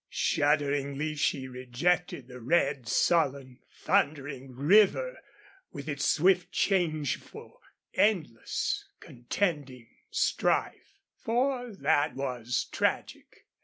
Shudderingly she rejected the red, sullen, thundering river, with its swift, changeful, endless, contending strife for that was tragic.